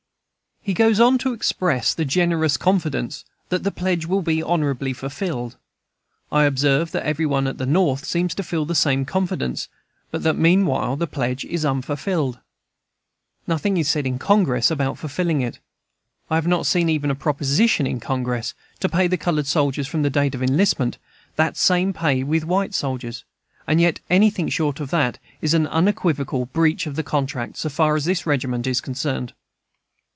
He goes on to express the generous confidence that "the pledge will be honorably fulfilled." I observe that every one at the North seems to feel the same confidence, but that, meanwhile, the pledge is unfulfilled. Nothing is said in Congress about fulfilling it. I have not seen even a proposition in Congress to pay the colored soldiers, from date of enlistment, the same pay with white soldiers; and yet anything short of that is an unequivocal breach of contract, so far as this regiment is concerned.